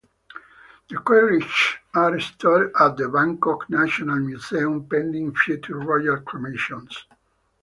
The carriages are stored at the Bangkok National Museum pending future royal cremations.